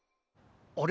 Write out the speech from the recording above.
あれ？